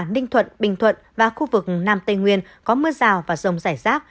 ninh thuận bình thuận và khu vực nam tây nguyên có mưa rào và rông rải rác